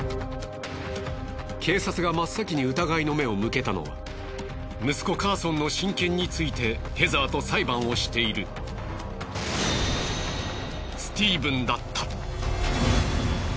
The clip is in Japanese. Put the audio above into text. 警察が真っ先に疑いの目を向けたのは息子カーソンの親権についてヘザーと裁判をしているスティーブンだった。